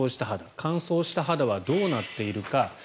乾燥した肌はどうなっているか。